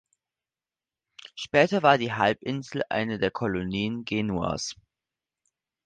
Später war die Halbinsel eine der Kolonien Genuas.